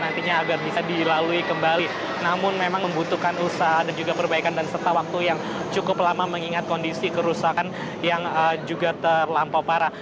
nantinya agar bisa dilalui kembali namun memang membutuhkan usaha dan juga perbaikan dan serta waktu yang cukup lama mengingat kondisi kerusakan yang juga terlampau parah